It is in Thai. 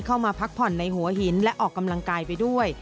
พักผ่อนในหัวหินและออกกำลังกายไปด้วย